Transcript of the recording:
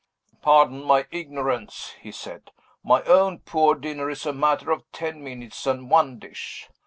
"Pardon my ignorance," he said; "my own poor dinner is a matter of ten minutes and one dish.